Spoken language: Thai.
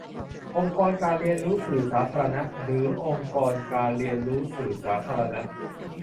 องค์กรการเรียนรู้สื่อสาธารณะ หรือ องค์กรการเรียนรู้สื่อสาธารณะ ?